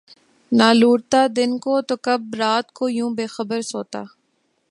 نہ لٹتا دن کو‘ تو کب رات کو یوں بے خبر سوتا!